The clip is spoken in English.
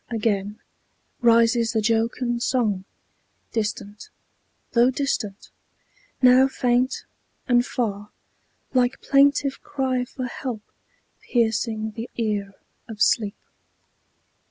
again Rises the jocund song, distinct, though distant; Now faint and far, like plaintive cry for help Piercing the ear of Sleep.